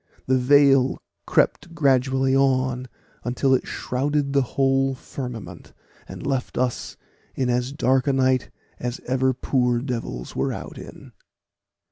The black veil crept gradually on, until it shrouded the whole firmament, and left us in as dark a night as ever poor devils were out in.